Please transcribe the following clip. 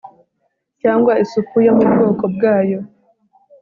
cyangwa isupu yo mu bwoko bwayo